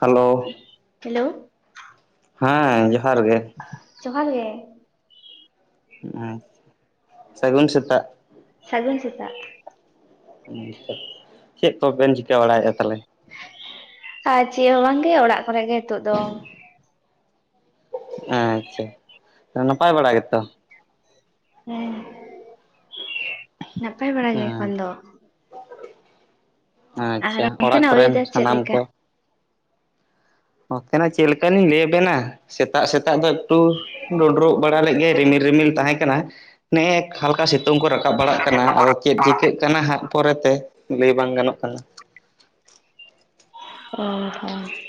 Hello, hello, ᱦᱮᱸ ᱡᱚᱦᱟᱨ ᱜᱮ ᱾ ᱡᱚᱦᱟᱨ ᱜᱮ ᱾ ᱦᱩᱸ ᱥᱟᱹᱜᱩᱱ ᱥᱮᱛᱟᱜ ᱾ ᱥᱟᱹᱜᱩᱱ ᱥᱮᱛᱟᱜ ᱾ ᱪᱮᱫ ᱠᱚᱵᱤᱱ ᱪᱤᱠᱟᱹ ᱵᱟᱲᱟᱭᱮᱫᱼᱟ ᱛᱟᱦᱚᱞᱮ? ᱟᱨ ᱪᱮᱫ ᱦᱚᱸ ᱵᱟᱝᱜᱮ ᱚᱲᱟᱜ ᱠᱚᱨᱮ ᱜᱮ ᱱᱤᱛᱚᱜ ᱫᱚ ᱾ ᱟᱪᱪᱷᱟ, ᱱᱟᱯᱟᱭ ᱵᱟᱲᱟ ᱜᱮᱛᱚ? ᱦᱮᱸ, ᱱᱟᱯᱟᱭ ᱵᱟᱲᱟ ᱜᱮ ᱮᱠᱷᱚᱱ ᱫᱚ ᱾ ᱟᱨ ᱟᱪᱪᱷᱟ, ᱚᱲᱟᱜ ᱚᱱᱛᱮᱱᱟᱜ ᱠᱚᱨᱮᱱ ᱚᱭᱮᱫᱟᱨ ᱪᱮᱫ ᱥᱟᱱᱟᱢ ᱞᱮᱠᱟ ᱠᱚ? ᱱᱚᱛᱮᱱᱟᱜ ᱪᱮᱫ ᱞᱮᱠᱟ ᱞᱤᱧ ᱞᱟᱹᱭ ᱟᱵᱮᱱᱟ, ᱥᱮᱛᱟᱜ ᱥᱮᱛᱟᱜ ᱫᱚ ᱮᱠᱴᱩᱼᱼ ᱰᱩᱰᱨᱩᱜ ᱵᱟᱲᱟ ᱞᱮᱫ ᱜᱮ ᱨᱤᱢᱤᱞ ᱨᱤᱢᱤᱞ ᱛᱟᱦᱮᱸ ᱠᱟᱱᱟ᱾ ᱱᱮᱜᱼᱮ ᱦᱟᱞᱠᱟ ᱥᱤᱛᱼᱼ ᱥᱤᱛᱩᱝ ᱠᱚ ᱨᱟᱠᱟᱵ ᱵᱟᱲᱟᱜ ᱠᱟᱱᱟ, ᱟᱫᱚ ᱪᱮᱫ ᱪᱤᱠᱟᱹᱜ ᱠᱟᱱᱟ ᱦᱟᱸᱜ ᱯᱚᱨᱮᱛᱮ ᱞᱟᱹᱭ ᱵᱟᱝ ᱜᱟᱱᱚᱜ ᱠᱟᱱᱟ ᱾ ᱚ ᱦᱚᱸᱳ᱾ [unintelligible]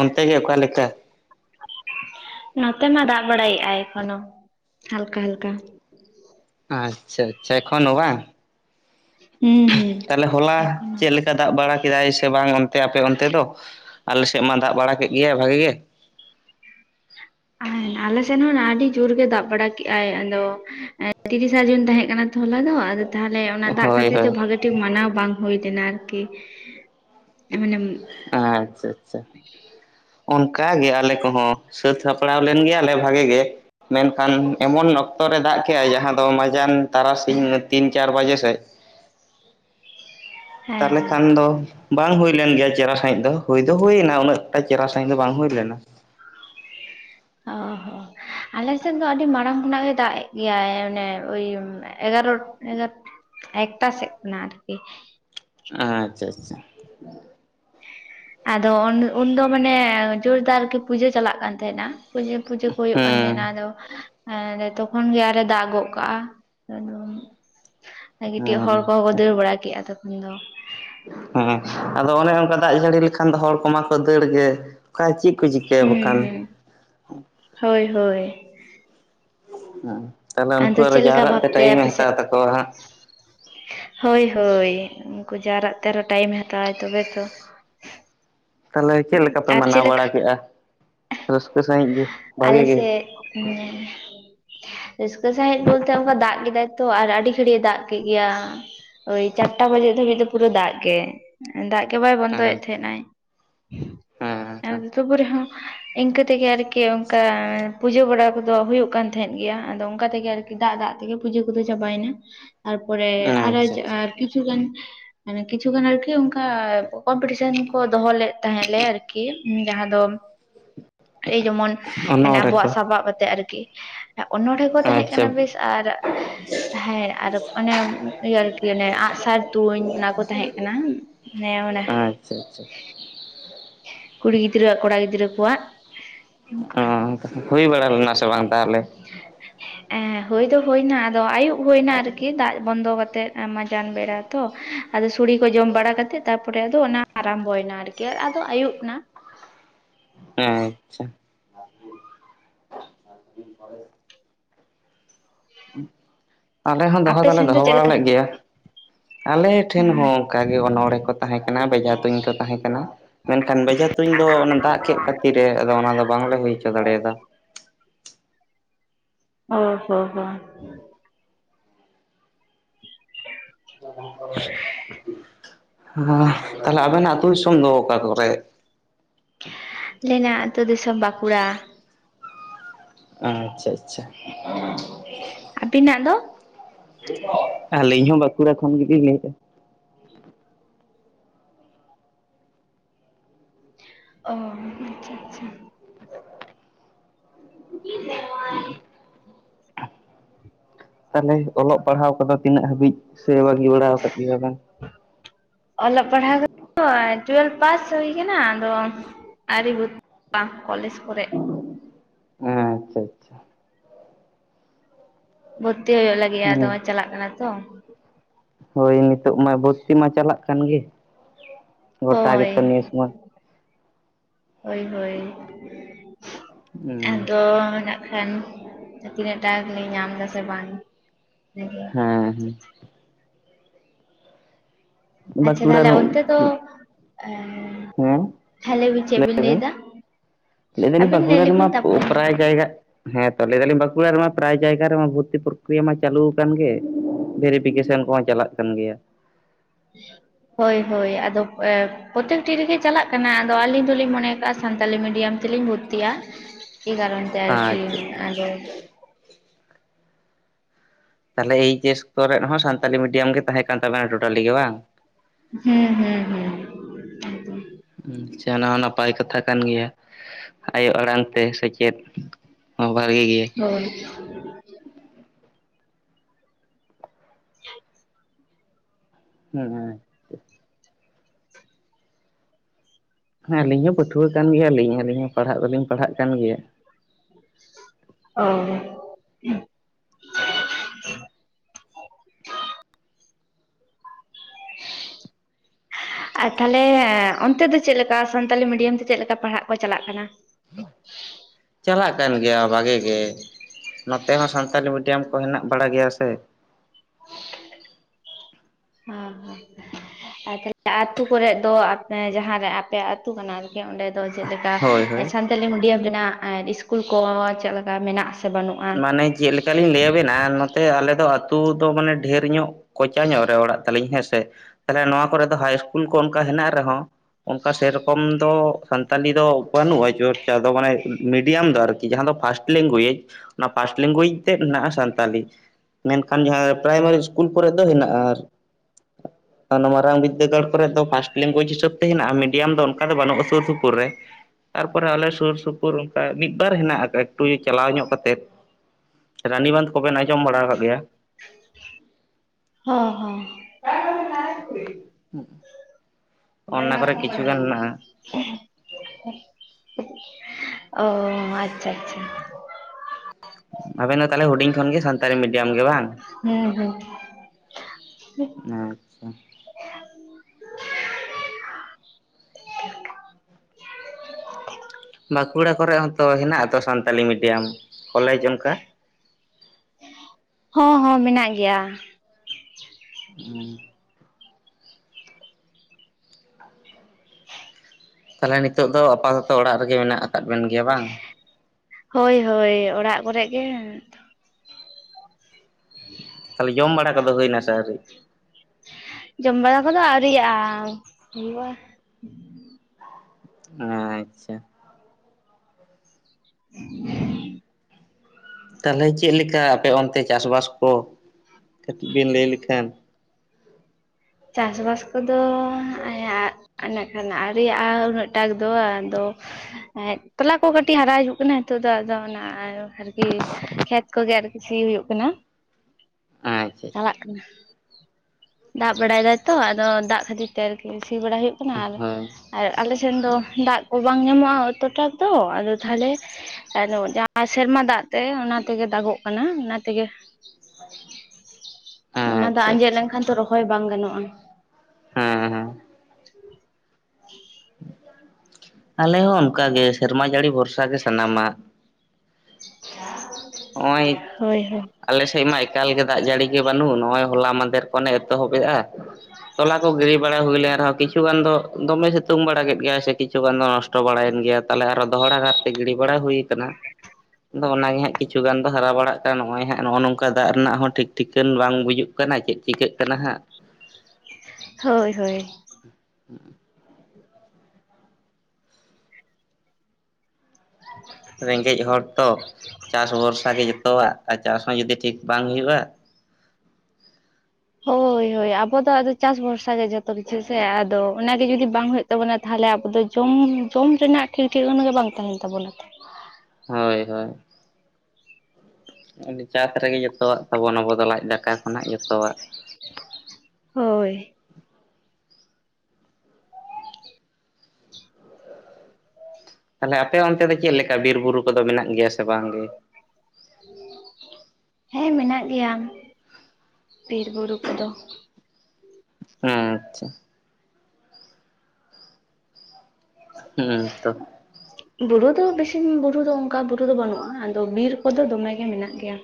ᱚᱱᱛᱮ ᱜᱮ ᱚᱠᱟᱞᱮᱠᱟ? ᱱᱚᱛᱮ ᱢᱟ ᱫᱟᱜ ᱵᱟᱲᱟᱭᱮᱫᱟᱭ, ᱮᱠᱷᱚᱱᱚ ᱦᱟᱞᱠᱟ ᱦᱟᱞᱠᱟ ᱾ ᱟᱪᱪᱷᱟ, ᱟᱪᱪᱷᱟ ᱮᱠᱷᱚᱱᱳ ᱵᱟᱝᱼᱼ ᱦᱩᱸ ᱦᱩᱸ ᱛᱟᱦᱚᱞᱮ, ᱦᱚᱞᱟ ᱮᱠᱷᱚᱱᱳ ᱪᱮᱫᱮ ᱞᱮᱼᱼ ᱫᱟᱜ ᱵᱟᱲᱟ ᱠᱮᱫᱟᱭ ᱥᱮ ᱵᱟᱝ ᱚᱱᱛᱮ ᱟᱯᱮ ᱚᱱᱛᱮ ᱫᱚ? ᱟᱞᱮᱥᱮᱫ ᱢᱟ ᱫᱟᱜ ᱵᱟᱲᱟ ᱠᱮᱫ ᱜᱮᱭᱟᱭ ᱵᱷᱟᱜᱤ ᱜᱮ ᱾ ᱦᱮᱸ ᱟᱞᱮ ᱥᱮᱱ ᱦᱚᱸ ᱟᱹᱰᱤ ᱡᱳᱨ ᱜᱮ ᱫᱟᱜ ᱵᱟᱲᱟ ᱠᱮᱜᱼᱟᱭ, ᱟᱫᱚ ᱛᱤᱨᱤᱥᱟ ᱡᱩᱱ ᱛᱟᱦᱮᱸ ᱠᱟᱱᱟ ᱾ ᱦᱚᱞᱟ ᱫᱚ ᱟᱫᱚ ᱛᱟᱦᱞᱮ ᱚᱱᱟ ᱫᱟᱜ ᱦᱳᱭ ᱠᱷᱟᱹᱛᱤᱨ ᱛᱮ ᱦᱳᱭ ᱵᱷᱟᱜᱤ ᱴᱷᱤᱠ ᱢᱟᱱᱟᱣ ᱵᱟᱝ ᱦᱩᱭ ᱞᱮᱱᱟ ᱟᱨᱠᱤ ᱾ ᱟᱪᱪᱷᱟ, ᱟᱪᱪᱷᱟ ᱾ ᱚᱱᱠᱟᱜᱮ ᱟᱞᱮ ᱠᱚᱦᱚᱸ, ᱥᱟᱹᱛ ᱥᱟᱯᱲᱟᱣ ᱞᱮᱱ ᱜᱮᱭᱟᱞᱮ ᱵᱷᱟᱜᱮ ᱜᱮ ᱾ ᱢᱮᱱᱠᱷᱟᱱ ᱮᱢᱚᱱ ᱚᱠᱛᱚᱨᱮ ᱫᱟᱜ ᱠᱮᱫᱟᱭ, ᱡᱟᱦᱟᱸ ᱫᱚ ᱢᱟᱡᱟᱱ ᱛᱟᱨᱟᱥᱤᱧ ᱛᱤᱱ ᱪᱟᱨ ᱵᱟᱡᱮ ᱥᱮᱫ ᱾ ᱦᱮᱸ ᱛᱟᱦᱚᱞᱮ ᱦᱮᱸ ᱠᱷᱟᱱ ᱫᱚᱼᱼ ᱵᱟᱝ ᱦᱩᱭᱞᱮᱱ ᱜᱮᱭᱟ ᱪᱮᱨᱦᱟ ᱥᱟᱹᱦᱤᱡ ᱫᱚ, ᱦᱩᱭ ᱫᱚ ᱦᱩᱭ ᱮᱱᱟ ᱩᱱᱟᱹᱜᱴᱟ ᱪᱮᱨᱟ ᱥᱟᱦᱤᱡ ᱫᱚ ᱵᱟᱝ ᱦᱩᱭ ᱞᱮᱱᱟ ᱾ ᱚ ᱦᱚᱸ ᱟᱞᱮ ᱥᱮᱫ ᱫᱚ ᱟᱹᱰᱤ ᱢᱟᱲᱟᱝ ᱠᱷᱚᱱᱟᱜ ᱜᱮᱭ ᱫᱟᱜ ᱮᱫ ᱜᱮᱭᱟᱭ, ᱚᱱᱮ ᱳᱭ ᱮᱜᱟᱨᱚ ᱮᱜᱟᱨᱼᱼ ᱮᱠᱴᱟ ᱥᱮᱠ ᱠᱷᱱᱟᱜ ᱟᱨᱠᱤ ᱾ ᱟᱪᱪᱷᱟ, ᱟᱪᱪᱷᱟ ᱾ ᱟᱫᱚ ᱩᱱᱫᱚ ᱢᱟᱱᱮ ᱡᱳᱨᱫᱟᱨᱠᱤ ᱯᱩᱡᱟᱹ ᱪᱟᱞᱟᱜ ᱠᱟᱱ ᱛᱟᱦᱮᱱᱟ ᱾ ᱯᱟᱹ ᱯᱩᱡᱟᱹ ᱠᱚ ᱦᱩᱭᱩᱜ ᱠᱟᱱ ᱦᱩᱸ ᱛᱟᱦᱮᱱᱟ ᱟᱫᱚᱼᱼ ᱮ ᱛᱚᱠᱷᱚᱱ ᱜᱮ ᱟᱨᱮ ᱫᱟᱜ ᱜᱚᱫ ᱠᱟᱜᱼᱟ ᱾ ᱟᱫᱚᱼᱼ ᱟᱨ ᱠᱟᱹᱴᱤᱡ ᱦᱚᱲ ᱠᱚᱦᱚᱸ ᱠᱚ ᱟᱪᱪᱷᱟ ᱫᱟᱹᱲ ᱵᱟᱲᱟ ᱠᱮᱜᱼᱟ ᱛᱚᱠᱷᱚᱱ ᱫᱚ ᱾ ᱦᱮᱸ ᱟᱫᱚ ᱚᱱᱮ ᱚᱱᱠᱟ ᱫᱟᱜ ᱡᱟᱹᱲᱤ ᱞᱮᱠᱷᱟᱱ ᱫᱚ ᱦᱚᱲ ᱠᱚᱢᱟᱠᱚ ᱫᱟᱹᱲ ᱜᱮ, ᱚᱠᱟ ᱪᱮᱫ ᱠᱚ ᱪᱤᱠᱼᱼ ᱦᱩᱸ ᱦᱩᱸ ᱦᱚᱭ ᱦᱚᱭ ᱾ ᱦᱩᱸ ᱛᱟᱦᱞᱮ ᱩᱱᱠᱩ ᱟᱫᱚ ᱟᱨᱚ ᱪᱮᱫ ᱞᱮᱠᱟ ᱡᱟᱣᱨᱟᱜ ᱛᱮ ᱵᱷᱟᱵᱛᱮ ᱴᱟᱭᱤᱢᱮ ᱟᱯᱮᱥᱮᱫ ᱦᱟᱛᱟᱣ ᱛᱟᱠᱚᱣᱟ ᱦᱟᱸᱜ ᱾ ᱦᱳᱭ ᱦᱳᱭ ᱩᱱᱠᱩ ᱡᱟᱣᱨᱟᱜ ᱛᱮ ᱟᱨᱦᱚ ᱴᱟᱭᱤᱢᱮ ᱦᱟᱛᱟᱣᱟ ᱛᱚᱵᱮ ᱛᱚ ᱾ ᱛᱟᱦᱚᱞᱮ ᱪᱮᱫ ᱞᱮᱠᱟᱯᱮ ᱟᱨ ᱪᱮᱫ ᱢᱟᱱᱟᱣ ᱞᱮᱠᱟ ᱵᱟᱲᱟ ᱠᱮᱫᱼᱟ ᱨᱟᱹᱥᱠᱟᱹ ᱥᱟᱺᱦᱤᱡ ᱜᱮ? ᱵᱷᱟᱜᱮ ᱟᱞᱮ ᱜᱮ ᱥᱮᱫ ᱨᱟᱹᱥᱠᱟᱹ ᱥᱟᱦᱤᱡ ᱵᱚᱞᱛᱮ ᱚᱱᱠᱟ ᱫᱟᱜ ᱠᱮᱫᱟᱭ ᱛᱚ, ᱟᱨ ᱟᱹᱰᱤ ᱜᱷᱟᱹᱲᱤᱡ ᱫᱟᱜ ᱠᱮᱫ ᱜᱮᱭᱟ ᱳᱭ ᱪᱟᱨᱴᱟ ᱵᱟᱡᱟᱜ ᱫᱷᱟᱹᱵᱤᱡ ᱫᱚ ᱯᱩᱨᱟᱹ ᱫᱟᱜ ᱜᱮ᱾ ᱫᱟᱜ ᱜᱮ ᱵᱟᱭ ᱵᱚᱱᱫᱚᱭᱮᱫ ᱟᱪᱪᱷᱟ ᱛᱟᱦᱮᱸᱱᱟᱭ ᱦᱮᱸ ᱟ ᱛᱵᱩ ᱨᱮᱦᱚᱸ ᱤᱱᱠᱟᱹ ᱛᱮᱜᱮ ᱟᱨᱠᱤ ᱚᱱᱠᱟ ᱯᱩᱡᱟᱹ ᱵᱟᱲᱟ ᱠᱚᱫᱚ ᱦᱩᱭᱩᱜ ᱠᱟᱱ ᱛᱟᱦᱮᱸᱫ ᱜᱮᱭᱟ᱾ ᱟᱫᱚ ᱚᱱᱠᱟ ᱛᱮᱜᱮ ᱟᱨᱠᱤ ᱫᱟᱜ ᱫᱟᱜ ᱛᱮᱜᱮ ᱯᱩᱡᱟᱹ ᱠᱚᱫᱚ ᱪᱟᱵᱟᱭᱮᱱᱟ᱾ ᱛᱟᱨ ᱯᱚᱨᱮ ᱦᱮᱸ ᱟᱨᱚ ᱟᱪᱪᱷᱟ ᱟᱪᱪᱷᱟ ᱠᱤᱪᱷᱩᱜᱟᱱ ᱢᱟᱱᱮ ᱠᱤᱪᱷᱩᱜᱟᱱ ᱟᱨᱠᱤ ᱚᱱᱠᱟ ᱠᱚᱢᱯᱤᱴᱤᱥᱮᱱ ᱠᱚ ᱫᱚᱦᱚ ᱞᱮᱫ ᱛᱟᱦᱮᱸ ᱞᱮ ᱟᱨᱠᱤ, ᱡᱟᱦᱟᱸ ᱫᱚ ᱮᱭ ᱡᱮᱢᱚᱱ ᱚᱱᱚᱲᱦᱮ ᱟᱵᱚᱣᱟᱜ ᱠᱚ ᱥᱟᱯᱟᱵ ᱠᱟᱛᱮᱜ ᱟᱨᱠᱤ, ᱚᱱᱚᱲᱮ ᱠᱚ ᱛᱟᱦᱮᱸ ᱟᱪᱪᱷᱟ ᱠᱟᱱᱟ ᱵᱮᱥ ᱟᱨ ᱦᱮᱸ ᱟᱨ ᱚᱱᱮ ᱤᱭᱟᱹ ᱟᱨᱠᱤ ᱚᱱᱮ ᱟᱸᱜᱼᱥᱟᱨ ᱛᱩᱧ ᱚᱱᱟ ᱠᱚ ᱛᱟᱦᱮᱸ ᱠᱟᱱᱟ ᱾ ᱦᱮᱸ ᱚᱱᱟ [unintelligible] ᱠᱩᱲᱤ ᱜᱤᱫᱽᱨᱟᱹ ᱠᱚᱲᱟ ᱜᱤᱫᱽᱨᱟᱹ ᱠᱚᱣᱟᱜ ᱾ ᱚ ᱦᱩᱭ ᱵᱟᱲᱟ ᱞᱮᱱᱟ ᱥᱮ ᱵᱟᱝ ᱛᱟᱦᱚᱞᱮ? ᱦᱮᱸ ᱦᱩᱭ ᱫᱚ ᱦᱩᱭᱱᱟ ᱟᱫᱚ ᱟᱹᱭᱩᱵ ᱦᱩᱭᱱᱟ ᱟᱨᱠᱤ ᱫᱟᱜ ᱵᱚᱱᱫᱚ ᱠᱟᱛᱮ ᱾ ᱢᱟᱡᱟᱱ ᱵᱮᱲᱟ ᱛᱚ ᱟᱫᱚ ᱥᱚᱲᱤ ᱠᱚ ᱡᱚᱢ ᱵᱟᱲᱟ ᱠᱟᱛᱮᱜ ᱛᱟᱯᱚᱨᱮ ᱟᱫᱚ ᱚᱱᱟ ᱟᱨᱟᱢᱵᱚᱭᱱᱟ ᱟᱨᱠᱤ᱾ ᱟᱫᱚ ᱟᱹᱭᱩᱵ ᱮᱱᱟ ᱾ ᱟᱪᱪᱷᱟ ᱾ ᱟᱞᱮ ᱦᱚᱸ ᱫᱚᱦᱚ ᱟᱯᱮ ᱫᱚᱞᱮ ᱥᱮᱱ ᱫᱚ ᱫᱚᱦᱚ ᱪᱮᱫ ᱵᱟᱲᱟ ᱞᱮᱠᱟ ᱞᱮᱫ ᱜᱮᱭᱟ ᱾ ᱟᱞᱮ ᱴᱷᱮᱱ ᱦᱚᱸ ᱚᱱᱠᱟ ᱜᱮ ᱚᱱᱚᱲᱦᱮ ᱠᱚ ᱛᱟᱦᱮᱸ ᱠᱟᱱᱟ ᱵᱷᱮᱡᱟ ᱛᱩᱧ ᱠᱚ ᱛᱟᱦᱮᱸ ᱠᱟᱱᱟ ᱾ ᱢᱮᱱᱠᱷᱟᱱ ᱵᱮᱡᱷᱟ ᱛᱩᱧ ᱫᱚ ᱚᱱᱟ ᱫᱟᱜ ᱠᱮᱫ ᱠᱷᱟᱹᱛᱤᱨ ᱨᱮ ᱟᱫᱚ ᱚᱱᱟ ᱫᱚ ᱵᱟᱝᱞᱮ ᱦᱩᱭ ᱦᱚᱪᱚ ᱫᱟᱲᱮᱭᱟᱫᱟ ᱾ [unintelligible] [unintelligible] [unintelligible] [unintelligible] ᱦᱩᱸ ᱛᱟᱦᱚᱞᱮ ᱟᱵᱮ ᱱᱟᱜ ᱟᱹᱛᱩ ᱫᱤᱥᱚᱢ ᱫᱚ ᱚᱠᱟ ᱠᱚᱨᱮ? ᱟᱞᱤᱧᱟᱜ ᱟᱹᱛᱩ ᱫᱤᱥᱚᱢ ᱵᱟᱸᱠᱩᱲᱟ ᱾ ᱟᱪᱪᱷᱟ ᱟᱪᱪᱷᱟ ᱾ ᱟᱵᱤᱱᱟ ᱫᱚ? ᱟᱹᱞᱤᱧ ᱦᱚᱸ ᱵᱟᱸᱠᱩᱲᱟ ᱠᱷᱚᱱ ᱜᱮᱞᱤᱧ ᱞᱟᱹᱭᱫᱟ ᱾ ᱚ ᱟᱪᱪᱷᱟ ᱟᱪᱪᱷᱟ ᱾ [unintelligible] [unintelligible] ᱛᱟᱦᱚᱞᱮ ᱚᱞᱚᱜ ᱯᱟᱲᱦᱟᱣ ᱠᱚᱫᱚ ᱛᱤᱱᱟᱹᱜ ᱦᱟᱹᱵᱤᱡ ᱥᱮ ᱵᱟᱹᱜᱤ ᱵᱟᱲᱟ ᱟᱠᱟᱫ ᱜᱮᱭᱟ ᱵᱮᱱ? ᱚᱞᱚᱜ ᱯᱟᱲᱦᱟᱣ ᱠᱚ ᱴᱩᱣᱮᱞ ᱯᱟᱥ ᱦᱩᱭ ᱠᱟᱱᱟ ᱟᱫᱚ ᱟᱹᱣᱨᱤ ᱵᱷᱩᱨᱛᱤᱟ ᱠᱚᱞᱮᱡ ᱠᱚᱨᱮ, ᱦᱮᱸ ᱟᱪᱪᱷᱟ ᱟᱪᱪᱷᱟ ᱾ ᱵᱷᱚᱨᱛᱤ ᱦᱩᱭᱩᱜ ᱞᱟᱹᱜᱤᱫᱼᱟ ᱟᱫᱚ ᱦᱮᱸ ᱪᱟᱞᱟᱜ ᱠᱟᱱᱟ ᱛᱚ, ᱦᱳᱭ ᱱᱤᱛᱚᱜ ᱢᱟ ᱵᱷᱩᱨᱛᱤ ᱢᱟ ᱪᱟᱞᱟᱜ ᱠᱟᱱ ᱜᱮ ᱜᱚᱴᱟ ᱦᱳᱭ ᱜᱮᱛᱚ ᱱᱤᱭᱟᱹ ᱥᱚᱢᱚᱭ ᱾ ᱦᱳᱭ ᱦᱳᱭ ᱦᱮᱸ ᱟᱫᱚ ᱠᱷᱟᱱ ᱛᱤᱱᱟᱹᱜ ᱴᱟᱠᱟ ᱞᱤᱝ ᱧᱟᱢ ᱫᱟᱥᱮ ᱵᱟᱝ, ᱦᱮᱸ ᱟᱪᱷᱟ ᱵᱟᱸᱠᱩᱲᱟ ᱛᱟᱦᱚᱞᱮ ᱨᱮ ᱚᱱᱛᱮ ᱫᱚ ᱦᱮᱸ ᱦᱮᱸ ᱞᱟᱹᱭ ᱵᱤᱱ ᱪᱮᱫ ᱵᱤᱱ ᱞᱟᱹᱭ ᱮᱫᱟ? ᱞᱟᱹᱭ ᱫᱟᱞᱤᱧ ᱟᱹᱵᱤᱱ ᱞᱟᱹᱭ ᱵᱟᱸᱠᱩᱰᱟ ᱨᱮ ᱢᱟ ᱞᱮᱵᱤᱱ ᱛᱟᱯᱚᱨᱮ ᱯᱨᱨᱟᱟᱭ ᱡᱟᱭᱜᱟ ᱦᱮᱸ ᱛᱚ ᱞᱟᱹᱭ ᱫᱟᱞᱤᱧ ᱵᱟᱸᱠᱩᱲᱟ ᱨᱮᱢᱟ ᱯᱨᱟᱭ ᱡᱟᱭᱜᱟ ᱨᱮᱢᱟ ᱵᱷᱚᱨᱛᱤ ᱯᱚᱨᱠᱨᱤᱭᱟ ᱢᱟ ᱪᱟᱹᱞᱩ ᱟᱠᱟᱱ ᱜᱮ ᱵᱷᱮᱨᱤᱯᱷᱤᱠᱮᱥᱚᱱ ᱠᱚᱢᱟ ᱪᱟᱞᱟᱜ ᱠᱟᱱᱟ ᱾ ᱠᱟᱱ ᱜᱮᱭᱟ ᱦᱳᱭ ᱦᱳᱭ ᱟᱫᱚ ᱯᱨᱚᱛᱮᱠᱴᱤ ᱨᱮᱜᱮ ᱪᱟᱞᱟᱜ ᱠᱟᱱᱟ ᱟᱫᱚ ᱟᱹᱞᱤᱧ ᱫᱚᱞᱤᱧ ᱢᱚᱱᱮ ᱠᱟᱜ-ᱟ ᱥᱟᱱᱛᱟᱞᱤ ᱢᱤᱰᱤᱭᱟᱢ ᱛᱮᱞᱤᱧ ᱵᱷᱚᱨᱛᱤ-ᱟ ᱮ ᱠᱚᱱ ᱛᱮ ᱟᱨᱠᱤ ᱟᱪᱪᱷᱟ ᱟᱫᱚ ᱛᱟᱦᱚᱞᱮ ᱮᱭ ᱪᱮᱥ ᱠᱚᱨᱮ ᱦᱚᱸ ᱥᱟᱱᱛᱟᱞᱤ ᱢᱤᱰᱭᱟᱢ ᱜᱮ ᱛᱟᱦᱮᱸ ᱠᱟᱱ ᱛᱟᱵᱮᱱᱟ ᱴᱳᱴᱟᱞᱤ ᱜᱮ ᱵᱟᱝ, ᱦᱩᱸ ᱦᱩᱸ ᱦᱩᱸ ᱟᱪᱪᱷᱟ ᱚᱱᱟ ᱦᱚᱸ ᱱᱟᱯᱟᱭ ᱠᱟᱛᱷᱟ ᱠᱟᱱ ᱜᱮᱭᱟ᱾ ᱟᱭᱳ ᱟᱲᱟᱝ ᱛᱮ ᱥᱮᱪᱮᱫ ᱦᱚᱸ ᱵᱷᱟᱜᱤ ᱜᱮᱭᱟ᱾ ᱦᱳᱭ ᱦᱮᱸ ᱦᱮᱸ ᱟᱹᱞᱤᱧ ᱦᱚᱸ ᱯᱟᱹᱴᱷᱩᱣᱟᱹ ᱠᱟᱱ ᱜᱮᱭᱟᱞᱤᱧ ᱟᱹᱞᱤᱧ ᱦᱚᱸ ᱯᱟᱲᱦᱟᱜ ᱫᱚᱞᱤᱧ ᱯᱟᱲᱦᱟᱜ ᱠᱟᱱ ᱜᱮᱭᱟ᱾ ᱚ ᱟᱨ ᱛᱟᱦᱚᱞᱮ ᱚᱱᱛᱮ ᱫᱚ ᱪᱮᱫ ᱞᱮᱠᱟ ᱥᱟᱱᱛᱟᱞᱤ ᱢᱤᱰᱤᱭᱟᱢ ᱛᱮ ᱪᱮᱫ ᱞᱮᱠᱟ ᱯᱟᱲᱦᱟᱜ ᱠᱚ ᱪᱟᱞᱟᱜ ᱠᱟᱱᱟ? ᱪᱟᱞᱟᱜ ᱠᱟᱱ ᱜᱮᱭᱟ ᱵᱷᱟᱜᱮ ᱜᱮ ᱱᱚᱛᱮ ᱦᱚᱸ ᱥᱟᱱᱛᱟᱞᱤ ᱢᱤᱰᱤᱭᱟᱢ ᱠᱚ ᱦᱮᱱᱟᱜ ᱵᱟᱲᱟ ᱜᱮᱭᱟ ᱥᱮ ᱦᱮ ᱦᱮ ᱟᱨ ᱛᱟᱦᱚᱞᱮ ᱟᱛᱩ ᱠᱚᱨᱮᱫ ᱫᱚᱯᱮ ᱡᱟᱦᱟᱸᱨᱮ ᱟᱯᱮᱭᱟᱜ ᱟᱹᱛᱩ ᱠᱟᱱᱟ ᱚᱸᱰᱮ ᱫᱚ ᱪᱮᱫᱠᱟ ᱦᱳᱭ ᱦᱳᱭ ᱥᱟᱱᱛᱟᱞᱤ ᱢᱤᱰᱤᱭᱟᱢ ᱨᱮᱱᱟᱜ ᱤᱥᱠᱩᱞ ᱠᱚ ᱪᱮᱫ ᱞᱮᱠᱟ ᱢᱮᱱᱟᱜᱥ ᱢᱟᱱᱮ ᱪᱮᱫᱠᱟᱞᱤᱧ ᱞᱟᱹᱭᱟᱵᱮᱱᱟ ᱱᱚᱛᱮ ᱟᱞᱮ ᱫᱚ ᱟᱹᱛᱩ ᱫᱚ ᱢᱟᱱᱮ ᱰᱷᱮᱨ ᱧᱚᱜ ᱠᱚᱪᱟ ᱧᱚᱜ ᱨᱮ ᱚᱲᱟᱜ ᱛᱟᱹᱞᱤᱧ ᱦᱮᱸᱥᱮ ᱛᱟᱦᱚᱞᱮ ᱱᱚᱣᱟ ᱠᱚᱨᱮ ᱫᱚ ᱦᱟᱭ ᱤᱥᱠᱩᱞ ᱠᱚ ᱚᱱᱠᱟ ᱦᱮᱱᱟᱜ ᱨᱮᱦᱚᱸ ᱚᱱᱠᱟ ᱥᱮᱨᱚᱠᱚᱢ ᱫᱚ ᱥᱟᱱᱛᱟᱞᱤ ᱫᱚ ᱵᱟᱹᱱᱩᱜ-ᱟ ᱪᱚᱨᱪᱟ ᱫᱚ ᱢᱟᱱᱮ ᱢᱤᱰᱤᱭᱟᱢ ᱫᱚ ᱟᱨᱠᱤ ᱡᱟᱦᱟᱸ ᱫᱚ ᱯᱷᱟᱥᱴ ᱞᱮᱝᱜᱩᱭᱮᱡᱽ ᱚᱱᱟ ᱯᱷᱟᱥᱴ ᱞᱮᱝᱜᱩᱭᱮᱡᱽ ᱛᱮᱫ ᱢᱮᱱᱟᱜ-ᱟ ᱥᱟᱱᱛᱟᱞᱤ ᱢᱮᱱᱠᱷᱟᱱ ᱡᱟᱦᱟᱸ ᱯᱨᱟᱭᱢᱟᱨᱤ ᱤᱥᱠᱩᱞ ᱠᱚᱨᱮᱜ ᱫᱚ ᱦᱮᱱᱟᱜ-ᱟ᱾ᱟᱨ ᱢᱟᱨᱟᱝ ᱵᱤᱫᱽᱫᱟᱹᱜᱟᱲ ᱠᱚᱨᱮ ᱫᱚ ᱯᱷᱟᱥᱴ ᱞᱮᱝᱜᱩᱭᱮᱡᱽ ᱦᱤᱥᱟᱹᱵ ᱛᱮ ᱦᱮ-ᱟ ᱢᱤᱰᱤᱭᱟᱢ ᱫᱚ ᱚᱱᱠᱟ ᱫᱚ ᱵᱟᱹᱱᱩᱜ-ᱟ ᱥᱩᱨ ᱥᱩᱯᱩᱨ ᱨᱮ᱾ ᱛᱟᱨᱯᱚᱨᱮ ᱟᱞᱮ ᱥᱩᱨ ᱥᱩᱯᱩᱨ ᱚᱱᱠᱟ ᱢᱤᱫ ᱵᱟᱨ ᱦᱮᱱᱟᱜ ᱟᱠᱟᱜ-ᱟ ᱮᱠᱴᱩᱭ ᱪᱟᱞᱟᱣ ᱧᱚᱜ ᱠᱟᱛᱮᱫ᱾ ᱨᱟᱱᱤ ᱵᱟᱸᱫᱷ ᱠᱚᱵᱮᱱ ᱟᱸᱡᱚᱢ ᱵᱟᱲᱟ ᱠᱟᱫ ᱜᱮᱭᱟ᱾ ᱦᱚᱸ ᱦᱚᱸ ᱚᱱᱟ ᱠᱚᱨᱮ ᱠᱤᱪᱷ ᱜᱟᱱ ᱢᱮᱱᱟᱜ-ᱟ᱾ ᱚ ᱟᱪᱪᱷᱟ ᱟᱪᱪᱷᱟ ᱟᱵᱮᱱ ᱫᱚ ᱛᱟᱦᱚᱞᱮ ᱦᱩᱰᱤᱧ ᱠᱷᱚᱱᱜᱮ ᱥᱟᱱᱛᱟᱲᱤ ᱢᱤᱰᱤᱭᱟᱢ ᱜᱮ ᱵᱟᱝ? ᱦᱩᱸ ᱦᱩᱸ [unintelligible] ᱵᱟᱸᱠᱩᱲᱟ ᱠᱚᱨᱮ ᱦᱚᱸᱛᱚ ᱦᱮᱱᱟᱜ-ᱟᱛᱚ ᱥᱟᱱᱛᱟᱞᱤ ᱢᱤᱰᱤᱭᱟᱢ ᱠᱚᱞᱮᱡᱽ ᱚᱱᱠᱟ ᱦᱚᱸ ᱦᱚᱸ ᱢᱮᱱᱟᱜ ᱜᱮᱭᱟ᱾ ᱦᱩᱸ ᱛᱟᱦᱚᱞᱮ ᱱᱤᱛᱚᱜ ᱫᱚ ᱟᱯᱟᱫᱟᱛᱚ ᱚᱲᱟᱜ ᱨᱮᱜᱮ ᱢᱮᱱᱟᱜ ᱟᱠᱟᱫ ᱵᱮᱱ ᱜᱮᱭᱟ ᱵᱟᱝ ᱦᱳᱭ ᱦᱳᱭ ᱚᱲᱟᱜ ᱠᱚᱨᱮ ᱜᱮ ᱛᱟᱦᱚᱞᱮ ᱡᱚᱢ ᱵᱟᱲᱟ ᱠᱚᱫᱚ ᱦᱩᱭᱱᱟ ᱥᱮ ᱟᱣᱹᱨᱤ? ᱡᱚᱢ ᱵᱟᱲᱟ ᱠᱚᱫᱚ ᱟᱹᱣᱤᱭ-ᱟ ᱦᱩᱭᱩᱜ-ᱟ ᱟᱪᱪᱷᱟ [inaudible] ᱛᱟᱦᱚᱞᱮ ᱪᱮᱫ ᱞᱮᱠᱟ ᱟᱯᱮ ᱚᱱᱛᱮ ᱪᱟᱥᱵᱟᱥ ᱠᱚ ᱠᱟᱹᱴᱤᱡ ᱵᱮᱱ ᱞᱟᱹᱭ ᱞᱮᱠᱷᱟᱱ ᱪᱟᱥᱵᱟᱥ ᱠᱚᱫᱚ ᱟᱭᱟᱜ ᱤᱱᱟᱠᱷᱟᱱ ᱟᱣᱨᱤ ᱨᱮᱭᱟᱜ ᱩᱱᱟᱹᱜᱴᱟᱠ ᱫᱚ ᱟᱫᱚ ᱛᱚᱞᱟ ᱠᱚ ᱠᱟᱹᱴᱤᱡ ᱦᱟᱨᱟ ᱦᱤᱡᱩᱜ ᱠᱟᱱᱟ ᱱᱤᱛᱚᱜ ᱫᱚ ᱟᱫᱚ ᱚᱱᱟ ᱟᱨᱠᱤ ᱠᱷᱮᱛ ᱠᱚᱜᱮ ᱟᱨᱠᱤ ᱥᱤ ᱦᱩᱭᱩᱜ ᱠᱟᱱᱟ᱾ ᱟᱪᱪᱷᱟ ᱟᱪᱪᱷᱟ ᱪᱟᱞᱟᱜ ᱠᱟᱱᱟ᱾ ᱫᱟᱜ ᱵᱟᱲᱟᱭ ᱫᱟᱭᱛᱚ ᱟᱫᱚ ᱫᱟᱜ ᱠᱷᱟᱹᱛᱤᱨ ᱛᱮ ᱟᱨᱠᱤ ᱥᱤ ᱵᱟᱲᱟᱭ ᱦᱩᱭᱩᱜ ᱠᱟᱱᱟ ᱟᱨ ᱦᱳᱭ ᱟᱨ ᱟᱞᱮᱥᱮᱱ ᱫᱚ ᱫᱟᱜ ᱠᱚ ᱵᱟᱝ ᱧᱟᱢᱚᱜ-ᱟ ᱚᱛᱚᱴᱟ ᱫᱚ ᱟᱫᱚ ᱛᱟᱦᱚᱞᱮ ᱡᱟᱦᱟᱸ ᱥᱮᱨᱢᱟ ᱫᱟᱜ ᱛᱮ ᱚᱱᱟ ᱛᱮᱜᱮ ᱫᱟᱜᱚᱜ ᱠᱟᱱᱟ ᱚᱱᱟ ᱛᱮᱜᱮ ᱚᱱᱟ ᱫᱟᱜ ᱟᱪᱪᱷᱟ ᱟᱸᱡᱮᱫ ᱟᱪᱪᱷᱟ ᱞᱮᱱᱠᱷᱟᱱ ᱛᱚ ᱨᱚᱦᱚᱭ ᱵᱟᱝ ᱜᱟᱱᱚᱜ-ᱟ᱾ ᱦᱮᱸ ᱦᱮᱸ [inaudible] ᱟᱞᱮ ᱦᱚᱸ ᱚᱱᱠᱟᱜᱮ ᱥᱮᱨᱢᱟ ᱡᱟᱹᱲᱤ ᱵᱷᱚᱨᱥᱟ ᱜᱮ ᱥᱟᱱᱟᱢ ᱟᱜ᱾ [inaudible] ᱱᱚᱜ-ᱚᱭ ᱦᱳᱭ ᱦᱳᱭ ᱟᱞᱮ ᱥᱮᱫ ᱢᱟ ᱮᱠᱟᱞ ᱜᱮ ᱫᱟᱜ ᱡᱟᱹᱲᱤ ᱜᱮ ᱵᱟᱹᱱᱩᱜ ᱱᱚᱜ-ᱚᱭ ᱦᱚᱞᱟ ᱢᱟᱫᱮᱨ ᱠᱷᱚᱱᱮ ᱮᱛᱚᱦᱚᱵᱮᱜ-ᱟ᱾ ᱛᱚᱞᱟ ᱠᱚ ᱜᱤᱰᱤ ᱵᱟᱲᱟ ᱦᱩᱭ ᱞᱮᱱ ᱨᱮᱦᱚ ᱠᱤ ᱠᱤᱪᱷᱩ ᱜᱟᱱ ᱫᱚᱢᱮ ᱥᱤᱛᱩᱝ ᱵᱟᱲᱟ ᱠᱮᱫ ᱜᱮᱭᱟ ᱥᱮ ᱠᱤᱪᱷᱩ ᱜᱟᱱ ᱫᱚ ᱱᱚᱥᱴᱚ ᱵᱟᱲᱟᱭᱮᱱ ᱜᱮᱭᱟ ᱛᱟᱦᱚᱞᱮ ᱟᱨᱚ ᱫᱚᱦᱲᱟ ᱫᱷᱟᱣ ᱜᱤᱲᱤ ᱵᱟᱲᱟ ᱦᱩᱭ ᱠᱟᱱᱟ ᱟᱫᱚ ᱚᱱᱟᱜᱮ ᱦᱟᱸᱜ ᱠᱤᱪᱷᱩ ᱜᱟᱱ ᱫᱚ ᱦᱟᱨᱟ ᱵᱟᱲᱟᱜ ᱠᱟᱱᱟ ᱱᱚᱜ-ᱚᱭ ᱦᱟᱸᱜ ᱱᱚᱜ-ᱚ ᱱᱚᱝᱠᱟ ᱫᱟᱜ ᱨᱮᱱᱟᱜ ᱦᱚᱸ ᱴᱷᱤᱠ ᱴᱷᱤᱠᱟᱹᱱ ᱵᱟᱝ ᱵᱩᱡᱩᱜ ᱠᱟᱱᱟ ᱪᱮᱫ ᱪᱤᱠᱟᱹᱜ ᱠᱟᱱᱟ ᱦᱟᱸᱜ᱾ ᱦᱳᱭ ᱦᱳᱭ [unintelligible] ᱨᱮᱸᱜᱮᱡ ᱦᱚᱲ ᱛᱚ ᱪᱟᱥ ᱵᱷᱚᱨᱥᱟ ᱜᱮ ᱡᱚᱛᱚᱣᱟᱜ ᱟᱨ ᱪᱟᱥ ᱦᱚᱸ ᱡᱩᱫᱤ ᱴᱷᱤᱠ ᱵᱟᱝ ᱦᱩᱭᱩᱜ-ᱟ᱾ ᱦᱳᱭ ᱦᱳᱭ ᱟᱵᱚ ᱫᱚ ᱟᱫᱚ ᱪᱟᱥ ᱵᱷᱚᱨᱥᱟ ᱜᱮ ᱡᱚᱛᱚ ᱠᱤᱪᱷᱩ ᱥᱮ ᱟᱫᱚ ᱚᱱᱟ ᱜᱮ ᱡᱩᱫᱤ ᱵᱟᱝ ᱦᱩᱭᱩᱜ ᱛᱟᱵᱚᱱᱟ ᱛᱟᱦᱚᱞᱮ ᱟᱵᱚ ᱫᱚ ᱡᱚᱢ ᱡᱚᱢ ᱨᱮᱱᱟᱜ ᱴᱷᱤᱠ ᱴᱷᱤᱠᱟᱹᱱᱟ ᱜᱮ ᱵᱟᱝ ᱛᱟᱦᱮᱱ ᱛᱟᱵᱚᱱᱟ ᱛᱚ᱾ ᱦᱳᱭ ᱦᱳᱭ ᱪᱟᱥ ᱨᱮ ᱜᱮ ᱡᱚᱛᱚᱣᱟᱜ ᱛᱟᱵᱚᱱ ᱟᱵᱚ ᱫᱟ ᱞᱟᱡ ᱫᱟᱠᱟ ᱠᱷᱚᱱᱟᱜ ᱡᱚᱛᱚᱣᱟᱜ ᱦᱳᱭ ᱛᱟᱦᱚᱞᱮ ᱟᱯᱮ ᱚᱱᱛᱮ ᱫᱚ ᱪᱮᱫ ᱞᱮᱠᱟ ᱵᱤᱨ ᱵᱩᱨᱩ ᱠᱚ ᱫᱚ ᱢᱮᱱᱟᱜ ᱜᱮᱭᱟ ᱥᱮ ᱵᱟᱝ ᱜᱮ? ᱦᱮᱸ ᱢᱮᱱᱟᱜ ᱜᱮᱭᱟ ᱵᱤᱨ ᱵᱩᱨᱩ ᱠᱚ ᱫᱚ᱾ ᱮᱸ ᱟᱪᱷᱟ ᱦᱩᱸ ᱛᱚ ᱵᱩᱨᱩ ᱫᱚ ᱵᱮᱥᱤ ᱵᱩᱨᱩ ᱫᱚ ᱚᱱᱠᱟ ᱵᱩᱨᱩ ᱫᱚ ᱵᱟᱹᱱᱩᱜ-ᱟ ᱟᱫᱚ ᱵᱤᱨ ᱠᱚ ᱫᱚ ᱫᱚᱢ ᱜᱮ ᱢᱮᱱᱟᱜ ᱜᱮᱭᱟ᱾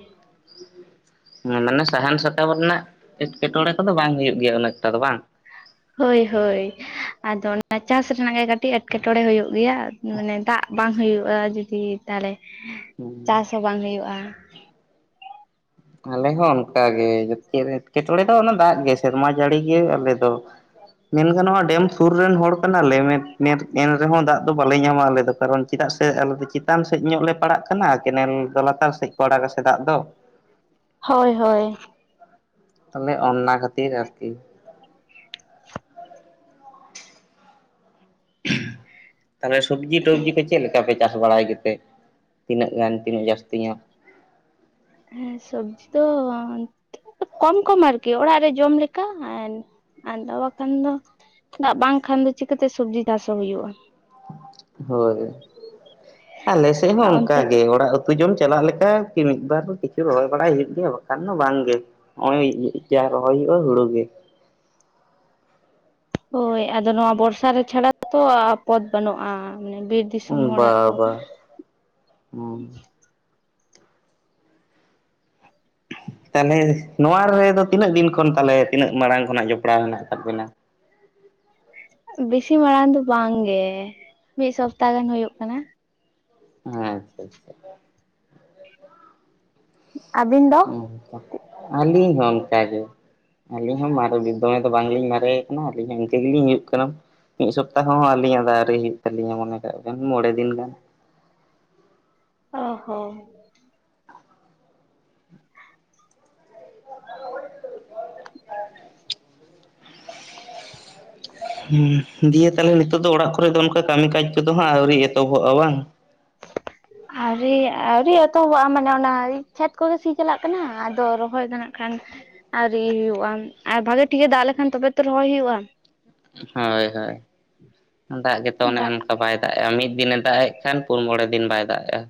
ᱦᱮᱸ ᱢᱟᱱᱮ ᱥᱟᱦᱟᱱ ᱥᱟᱠᱟᱢ ᱨᱮᱱᱟᱜ ᱮᱴᱠᱮ ᱴᱚᱬᱮ ᱠᱚ ᱫᱚ ᱵᱟᱝ ᱦᱩᱭᱩᱜ ᱜᱮᱭᱟ ᱩᱱᱟᱹ ᱮᱠᱴᱟ ᱫᱚ ᱵᱟᱝ ᱦᱳᱭ ᱦᱳᱭ ᱟᱫᱚ ᱚᱱᱟ ᱪᱟᱥ ᱨᱮᱱᱟᱜ ᱜᱮ ᱠᱟᱴᱤ ᱟᱹᱰᱤ ᱮᱴᱠᱮ ᱴᱚᱬᱮ ᱦᱩᱭᱩᱜ ᱜᱮᱭᱟ ᱢᱟᱱᱮ ᱫᱟᱜ ᱵᱟᱝ ᱦᱳᱭᱩᱳᱜ-ᱟ ᱡᱩᱫᱤ ᱛᱟᱦᱚᱞᱮ ᱪᱟᱥ ᱟᱞᱮ ᱦᱚᱸ ᱵᱟᱝ ᱦᱳᱭᱳᱜ-ᱟ᱾ ᱟᱞᱮ ᱦᱚᱸ ᱚᱱᱠᱟ ᱜᱮ ᱡᱚ ᱮᱴᱠᱮ ᱴᱚᱬᱮ ᱫᱚ ᱚᱱᱟ ᱫᱟᱜ ᱜᱮ ᱥᱮᱨᱢᱟ ᱡᱟᱹᱲᱤ ᱜᱮ ᱟᱞᱮ ᱫᱚ ᱢᱮᱱ ᱜᱟᱱᱚᱜᱟ ᱰᱮᱢ ᱥᱩᱨ ᱨᱮᱱ ᱦᱚᱲ ᱠᱟᱱᱟᱞᱮ ᱮᱱ ᱨᱮ ᱦᱚᱸ ᱫᱟᱜ ᱫᱚ ᱵᱟᱞᱮ ᱧᱟᱢᱟ ᱟᱞᱮ ᱫᱚ ᱠᱟᱨᱚᱱ ᱪᱮᱫᱟᱜ ᱥᱮ ᱟᱞᱮ ᱫᱚ ᱪᱮᱛᱟᱱ ᱥᱮᱫ ᱧᱚᱜ ᱞᱮ ᱯᱟᱲᱟᱜ ᱠᱟᱱᱟ ᱠᱮᱱᱮᱞ ᱫᱚ ᱞᱟᱛᱟᱨ ᱥᱮᱡ ᱠᱚ ᱟᱲᱟᱜᱟ ᱥᱮ ᱫᱟᱜ ᱫᱚ ᱦᱳᱭ ᱦᱳᱭ ᱛᱟᱦᱚᱞᱮ ᱚᱱᱱᱟ ᱠᱷᱟᱹᱛᱤᱨ ᱟᱨ ᱠᱤ ᱛᱟᱦᱚᱞᱮ ᱥᱚᱵᱽᱡᱤ ᱴᱚᱵᱡᱤ ᱠᱚ ᱪᱮᱫ ᱞᱮᱠᱟ ᱯᱮ ᱪᱟᱥ ᱵᱟᱲᱟᱭ ᱜᱮᱛᱮ ᱛᱤᱱᱟᱹᱜ ᱜᱟᱱ ᱛᱤᱱᱟᱹᱜ ᱡᱟᱹᱥᱛᱤ ᱧᱚᱜ ᱦᱮᱸ ᱥᱚᱵᱡᱤ ᱫᱚ ᱠᱚᱢ ᱠᱚᱢ ᱟᱨ ᱠᱤ ᱚᱲᱟᱜ ᱨᱮ ᱡᱚᱢ ᱞᱮᱠᱟ ᱟᱫᱚ ᱵᱟᱠᱷᱟᱱ ᱫᱚ ᱫᱟᱜ ᱵᱟᱝ ᱠᱷᱟᱱ ᱫᱚ ᱪᱤᱠᱟᱹᱛᱮ ᱥᱚᱵᱡᱤ ᱪᱟᱥ ᱦᱚᱸ ᱦᱳᱭᱳᱜ-ᱟ᱾ ᱦᱳᱭ ᱟᱞᱮ ᱥᱮᱫ ᱦᱚᱸ ᱟᱨ ᱚᱱᱠᱟ ᱚᱱᱛᱮ ᱜᱮ ᱚᱲᱟᱜ ᱩᱛᱩ ᱡᱚᱢ ᱪᱟᱞᱟᱜ ᱞᱮᱠᱟ ᱢᱤᱫ ᱵᱟᱨ ᱠᱤᱪᱷᱩ ᱨᱚᱦᱚᱭ ᱵᱟᱲᱟᱭ ᱦᱩᱭᱩᱜ ᱜᱮᱭᱟ ᱵᱟᱝ ᱠᱷᱟᱱ ᱫᱚ ᱵᱟᱝ ᱜᱮ ᱱᱚᱜ ᱡᱟ ᱨᱚᱦᱚᱭ ᱦᱩᱭᱩᱜᱼᱟ, ᱦᱩᱲᱩ ᱜᱮ᱾ ᱦᱳᱭ, ᱟᱫᱚ ᱱᱚᱣᱟ ᱵᱚᱨᱥᱟ ᱨᱮ ᱪᱷᱟᱲᱟ ᱛᱚ ᱯᱚᱛ ᱵᱟᱹᱱᱩᱜᱼᱟ᱾ ᱢᱟᱱᱮ ᱵᱤᱨ ᱫᱤᱥᱚᱢ ᱦᱚᱲ ᱟᱜ ᱫᱚ᱾ ᱵᱟᱵᱟ ᱛᱟᱦᱚᱞᱮ ᱱᱚᱣᱟ ᱨᱮ ᱫᱚ ᱛᱤᱱᱟᱹᱜ ᱫᱤᱱ ᱠᱷᱚᱱ ᱛᱟᱦᱚᱞᱮ ᱛᱤᱱᱟᱹᱜ ᱢᱟᱲᱟᱝ ᱠᱷᱚᱱᱟᱜ ᱡᱚᱯᱲᱟᱣ ᱦᱮᱱᱟᱜ ᱟᱠᱟᱫ ᱵᱤᱱᱟ? ᱵᱤᱥᱤ ᱢᱟᱲᱟᱝ ᱫᱚ ᱵᱟᱝ ᱜᱮ᱾ ᱢᱤᱫ ᱥᱚᱯᱛᱟᱦ ᱜᱟᱱ ᱦᱳᱭᱳᱜ ᱠᱟᱱᱟ᱾ ᱟᱪᱪᱷᱟ ᱟᱪᱪᱷᱟ᱾ ᱟᱹᱵᱤᱱ ᱫᱚ? ᱟᱹᱞᱤᱧ ᱦᱚᱸ ᱚᱱᱠᱟ ᱜᱮ᱾ ᱟᱹᱞᱤᱧ ᱦᱚᱸ ᱢᱟᱨᱮ ᱫᱚᱢᱮ ᱫᱚ ᱵᱟᱝ ᱞᱤᱧ ᱢᱟᱨᱮ ᱠᱟᱱᱟ, ᱟᱹᱞᱤᱧ ᱦᱚᱸ ᱤᱱᱠᱟᱹ ᱜᱮ ᱞᱤᱧ ᱦᱩᱡᱩᱜ ᱠᱟᱱᱟ᱾ ᱢᱤᱫ ᱥᱚᱯᱛᱟᱦᱚ ᱦᱚᱸ ᱟᱹᱞᱤᱧ ᱟᱜ ᱫᱚ ᱟᱣᱨᱤ ᱦᱩᱭᱩᱜ ᱛᱟᱹᱞᱤᱧᱟ᱾ ᱢᱚᱱᱮ ᱠᱟᱜ ᱵᱤᱱ ᱢᱚᱬᱮ ᱫᱤᱱ ᱜᱟᱱ᱾ ᱚ ᱦᱚᱸ᱾ [inaudible] ᱦᱩᱸ ᱫᱤᱭᱮ ᱛᱟᱞᱦᱮ ᱱᱤᱛᱚᱜ ᱫᱚ ᱚᱲᱟᱜ ᱠᱚ ᱨᱮ ᱫᱚ ᱚᱱᱠᱟ ᱠᱟᱹᱢᱤ ᱠᱟᱡᱽ ᱠᱚ ᱫᱚ ᱦᱟᱸᱜ ᱟᱹᱣᱨᱤ ᱮᱛᱚᱦᱚᱵᱚᱜᱼᱟ ᱵᱟᱝ? ᱟᱹᱣᱨᱤ ᱟᱹᱣᱨᱤ ᱮᱛᱚᱦᱚᱵᱚᱜᱼᱟ, ᱢᱟᱱᱮ ᱚᱱᱟ ᱠᱷᱮᱛ ᱠᱚ ᱜᱮ ᱥᱤ ᱪᱟᱞᱟᱜ ᱠᱟᱱᱟ᱾ ᱟᱫᱚ ᱨᱚᱦᱚᱭ ᱫᱚ ᱱᱟᱜᱠᱷᱟᱱ ᱟᱣᱨᱤ ᱦᱩᱭᱩᱜᱼᱟ ᱟᱨ ᱵᱷᱟᱹᱜᱤ ᱴᱷᱤᱠᱮ ᱫᱟᱜ ᱞᱮᱠᱷᱟᱱ ᱛᱚᱵᱮ ᱛᱚ ᱨᱚᱦᱚᱭ ᱦᱩᱭᱩᱜᱼᱟ᱾ ᱦᱳᱭ ᱦᱳᱭ, ᱫᱟᱜ ᱜᱮᱛᱚ ᱚᱱᱮ ᱫᱟᱜ ᱚᱱᱠᱟ ᱵᱟᱭ ᱫᱟᱜ ᱮᱫᱼᱟ, ᱢᱤᱫ ᱫᱤᱱᱮ ᱫᱟᱜ ᱮᱫ ᱠᱷᱟᱱ ᱯᱩᱱ ᱢᱚᱬᱮ ᱫᱤᱱ ᱵᱟᱭ ᱫᱟᱜ ᱮᱜᱼᱟ᱾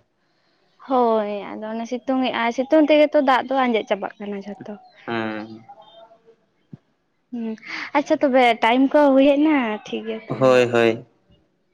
ᱦᱳᱭ ᱟᱫᱚ ᱚᱱᱮ ᱥᱤᱛᱩᱝ ᱮᱜᱟᱭ, ᱥᱤᱛᱩᱝ ᱛᱮᱜᱮ ᱛᱚ ᱫᱟᱜ ᱫᱚ ᱟᱸᱡᱮᱫ ᱪᱟᱵᱟᱜ ᱠᱟᱱᱟ ᱡᱷᱚᱛᱚ᱾ ᱦᱮᱸ᱾ ᱦᱩᱸ ᱟᱪᱪᱷᱟ ᱛᱚᱵᱮ ᱴᱟᱭᱤᱢ ᱠᱚ ᱦᱚ ᱦᱩᱭ ᱦᱮᱡ ᱮᱱᱟ, ᱴᱷᱤᱠ ᱜᱮᱭᱟ ᱛᱚᱵᱮ᱾ ᱦᱳᱭ ᱦᱳᱭ